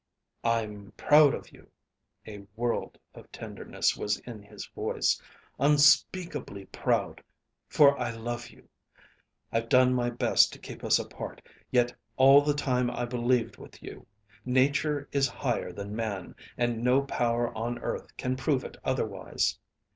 "I'm proud of you," a world of tenderness was in his voice "unspeakably proud for I love you. I've done my best to keep us apart, yet all the time I believed with you. Nature is higher than man, and no power on earth can prove it otherwise."